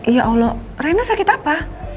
ya allah rena sakit apa